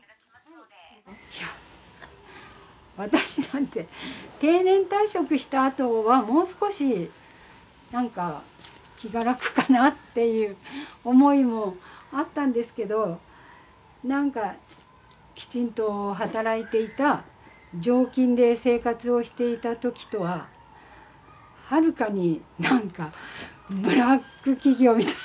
いや私なんて定年退職したあとはもう少しなんか気が楽かなっていう思いもあったんですけどなんかきちんと働いていた常勤で生活をしていた時とははるかになんかブラック企業みたい。